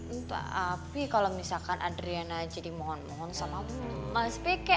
entah api kalo misalkan adriana jadi mohon mohon sama mas peke